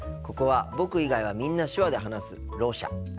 ここは僕以外はみんな手話で話すろう者。